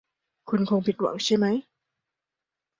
คุณคงผิดหวังใช่ไหม